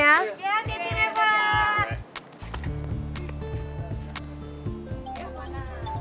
ya di depan